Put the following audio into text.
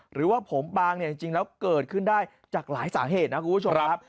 หรือว่าผมปางเนี่ยจริงแล้วเกิดขึ้นได้จากหลายสาเหตุนะคุณผู้ชมครับ